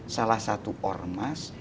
salah satu ormas